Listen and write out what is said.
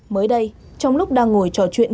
mới đây trong lúc đang ngồi trò chuyện